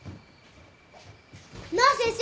なあ先生